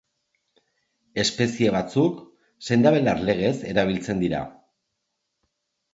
Espezie batzuk sendabelar legez erabiltzen dira.